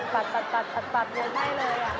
ปัดเลย